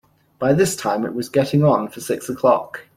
By this time it was getting on for six o’clock.